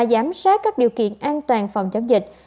giám sát các điều kiện an toàn phòng chống dịch